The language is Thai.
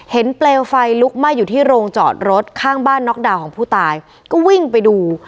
เปลวไฟลุกไหม้อยู่ที่โรงจอดรถข้างบ้านน็อกดาวน์ของผู้ตายก็วิ่งไปดู